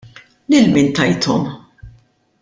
Lil min tajthom?